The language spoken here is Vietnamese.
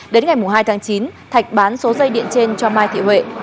đến ngày hai tháng chín thạch bán số dây điện trên cho mai thị huệ